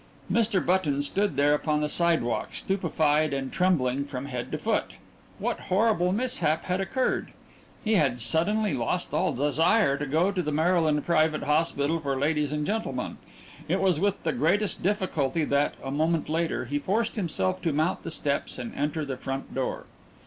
Mr. Button stood there upon the sidewalk, stupefied and trembling from head to foot. What horrible mishap had occurred? He had suddenly lost all desire to go into the Maryland Private Hospital for Ladies and Gentlemen it was with the greatest difficulty that, a moment later, he forced himself to mount the steps and enter the front door.